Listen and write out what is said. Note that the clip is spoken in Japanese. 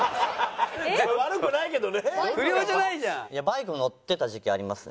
バイクも乗ってた時期あります。